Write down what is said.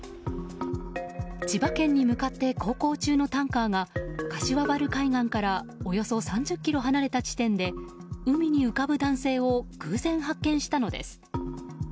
千葉県に向かって航行中のタンカーが柏原海岸からおよそ３０ｋｍ離れた地点で海に浮かぶ男性を偶然発見したのです。